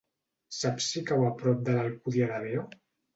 Saps si cau a prop de l'Alcúdia de Veo?